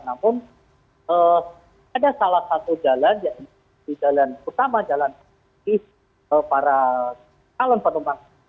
namun ada salah satu jalan yaitu jalan utama jalan di para kalon penumpang